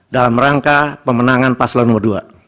dalam rangka pemenangan paslawan no dua